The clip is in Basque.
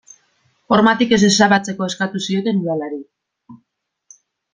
Hormatik ez ezabatzeko eskatu zioten udalari.